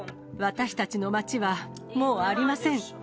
私たちの街はもうありません。